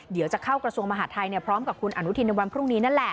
เดี๋ยวจะเข้ากระทรวงมหาดไทยพร้อมกับคุณอนุทินในวันพรุ่งนี้นั่นแหละ